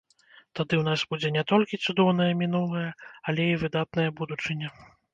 Тады ў нас будзе не толькі цудоўнае мінулае, але і выдатная будучыня.